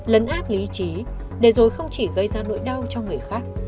lấn áp lý trí để rồi không chỉ gây ra nỗi đau cho người khác